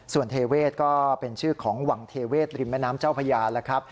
ส่วนเทเวศก็เป็นชื่อของวังเทเวศริมแม่น้ำเจ้าพญาแล้วครับ